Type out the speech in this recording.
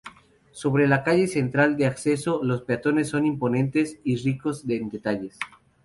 Sobre la calle central de acceso, los panteones son imponentes y ricos en detalles.